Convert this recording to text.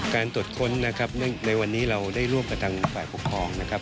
การตรวจค้นนะครับในวันนี้เราได้ร่วมกับทางฝ่ายปกครองนะครับ